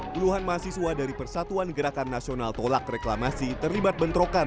puluhan mahasiswa dari persatuan gerakan nasional tolak reklamasi terlibat bentrokan